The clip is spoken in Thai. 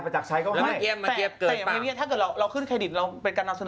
ถ้าหากเรารู้ขึ้นเฉดขวาออกไปเป็นการนับเสนอ